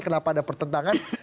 kenapa ada pertentangan